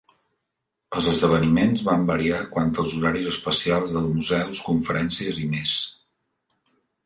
Els esdeveniments van variar quant als horaris especials dels museus, conferències i més.